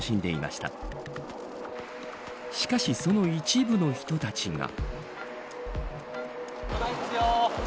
しかし、その一部の人たちが。